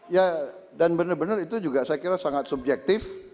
ya dan benar benar itu juga saya kira sangat subjektif